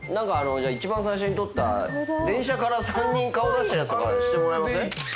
一番最初に撮った電車から３人顔出したやつとかしてもらいません？